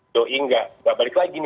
doi gak balik lagi